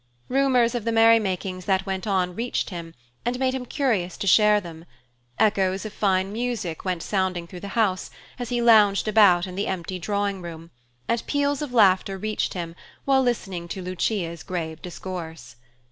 Rumors of the merry makings that went on reached him and made him curious to share them; echoes of fine music went sounding through the house, as he lounged about the empty drawing room; and peals of laughter reached him while listening to Lucia's grave discourse.